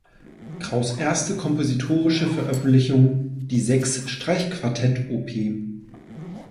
Kraus’ erste kompositorische Veröffentlichung, die sechs Streichquartette Op.